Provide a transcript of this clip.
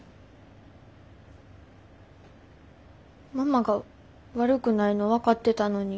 ママが悪くないの分かってたのに。